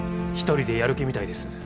一人でやる気みたいです。